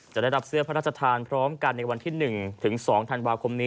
จะได้รับเสื้อพระราชทานพร้อมกันในวันที่๑ถึง๒ธันวาคมนี้